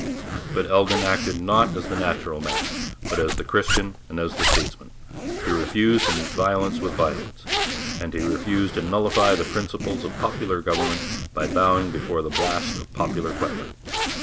But Elgin acted not as the natural man, but as the Christian and the statesman, He refused to meet violence with violence; and he refused to nullify the principles of popular government by bowing before the blast of popular clamour.